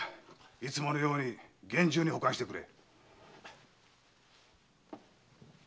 いつものように厳重に保管してくれ。